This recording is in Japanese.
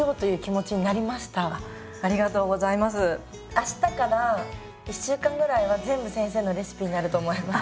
あしたから１週間ぐらいは全部先生のレシピになると思います。